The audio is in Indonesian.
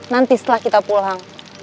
nanti setelah kita pulang